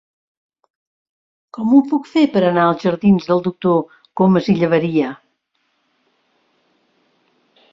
Com ho puc fer per anar als jardins del Doctor Comas i Llaberia?